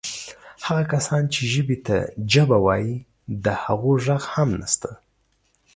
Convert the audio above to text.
هغه کسان چې ژبې ته جبه وایي د هغو ږغ هم نسته.